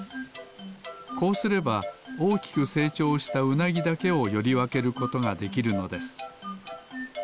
こうすればおおきくせいちょうしたウナギだけをよりわけることができるのです。